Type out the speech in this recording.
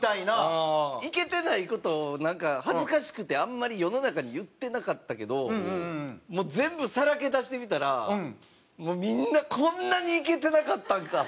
イケてない事をなんか恥ずかしくてあんまり世の中に言ってなかったけどもう全部さらけ出してみたらみんなこんなにイケてなかったんかっていう。